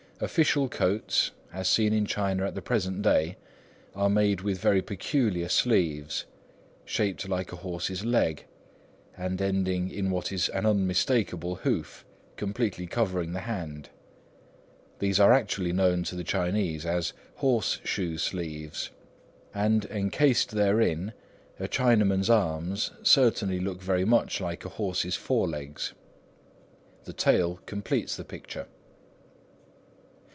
Official coats, as seen in China at the present day, are made with very peculiar sleeves, shaped like a horse's leg, and ending in what is an unmistakable hoof, completely covering the hand. These are actually known to the Chinese as "horse shoe sleeves"; and, encased therein, a Chinaman's arms certainly look very much like a horse's forelegs. The tail completes the picture.